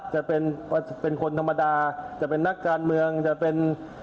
จะเป็นคนธรรมดาจะเป็นนักการเมืองจะเป็น